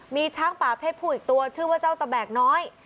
มีช้างป่าเพศผู้อีกตัวชื่อว่าเจ้าตะแบกน้อย